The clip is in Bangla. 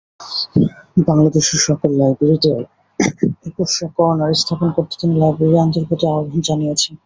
বাংলাদেশের সকল লাইব্রেরিতেও একুশে কর্নার স্থাপন করতে তিনি লাইব্রেরিয়ানদের প্রতি আহ্বান জানিয়েছেন।